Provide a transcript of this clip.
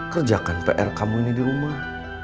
kerjakan pr kamu ini di rumah